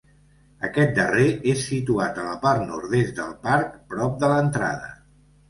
Aquest darrer és situat a la part nord-est del parc, prop de l'entrada.